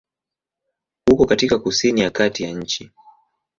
Uko katika kusini ya kati ya nchi.